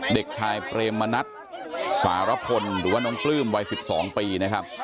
เด็กชายเปรมมณัฐสารพลหรือว่าน้องปลื้มวัย๑๒ปีนะครับ